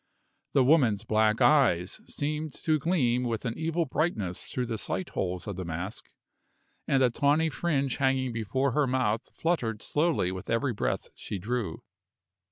The woman's black eyes seemed to gleam with an evil brightness through the sight holes of the mask, and the tawny fringe hanging before her mouth fluttered slowly with every breath she drew.